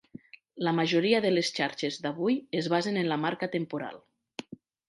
La majoria de les xarxes d'avui es basen en la marca temporal.